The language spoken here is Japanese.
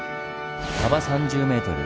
幅３０ｍ